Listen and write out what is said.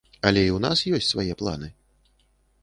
Але і ў нас ёсць свае планы.